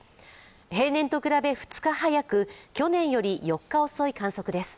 平年と比べ２日早く、去年より４日遅い観測です。